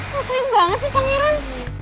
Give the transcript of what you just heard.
wah serius banget sih pangeran